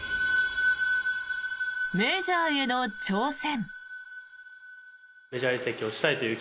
メジャーへの挑戦。